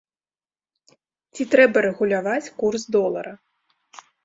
Ці трэба рэгуляваць курс долара?